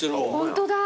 ホントだ。